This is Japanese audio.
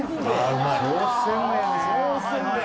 うまい！